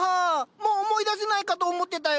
もう思い出せないかと思ってたよ。